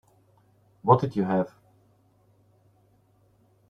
What did you have?